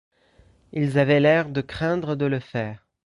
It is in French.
Ils avaient l'air de craindre de le faire.